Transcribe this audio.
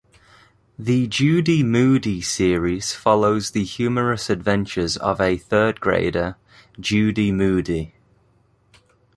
The Judy Moody series follows the humorous adventures of a third-grader, Judy Moody.